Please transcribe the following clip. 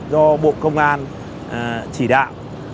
do bộ công an chỉ đạo